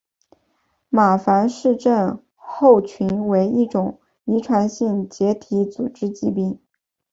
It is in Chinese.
马凡氏症候群为一种遗传性结缔组织疾病。